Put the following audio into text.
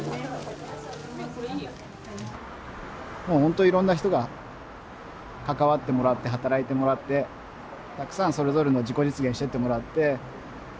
もう本当いろんな人に関わってもらって働いてもらってたくさんそれぞれの自己実現していってもらって。